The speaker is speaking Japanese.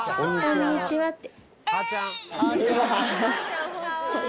こんにちはって。